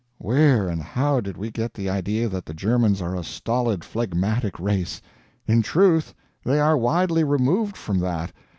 Where and how did we get the idea that the Germans are a stolid, phlegmatic race? In truth, they are widely removed from that.